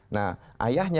nah ayahnya membawanya